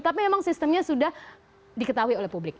tapi memang sistemnya sudah diketahui oleh publik